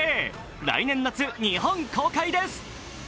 来年夏、日本公開です。